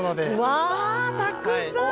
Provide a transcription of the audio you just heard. わたくさん！